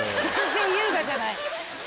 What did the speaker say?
全然優雅じゃない。